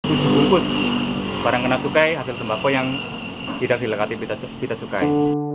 tujuh bungkus barang kena cukai hasil tembako yang tidak dilengkapi pita cukai